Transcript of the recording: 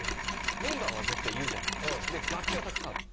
メンバーは絶対いるじゃないですかで楽器はたくさんある。